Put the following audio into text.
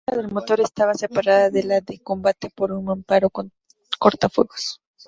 La cámara del motor estaba separada de la de combate por un mamparo cortafuegos.